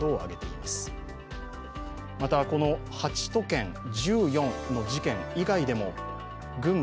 またこの８都県、１４の事件以外でも群馬、